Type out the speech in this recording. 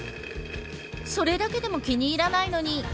それだけでも気に入らないのに。